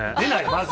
まず。